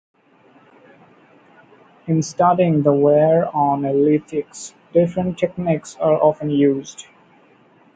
In studying the wear on a lithics, different techniques are often used.